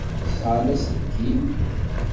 Tesεam aselkim?